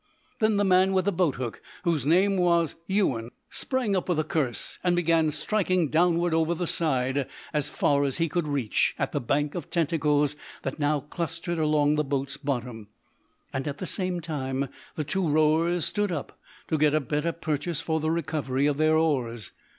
Then the man with the boathook his name was Ewan, or Ewen sprang up with a curse, and began striking downward over the side, as far as he could reach, at the bank of tentacles that now clustered along the boat's bottom. And, at the same time, the two rowers stood up to get a better purchase for the recovery of their oars.